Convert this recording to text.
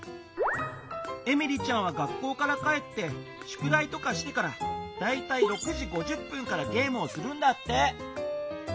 エミリちゃんは学校から帰ってしゅくだいとかしてからだいたい６時５０分からゲームをするんだって。